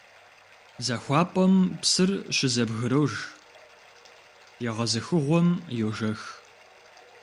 ЗахуапӀэм псыр щызэбгрож, егъэзыхыгъуэм — йожэх.